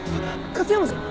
勝山さん！